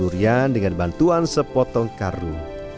durian dengan bantuan sepotong karung